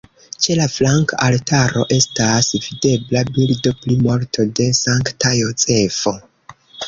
Ĉe la flanka altaro estas videbla bildo pri morto de Sankta Jozefo.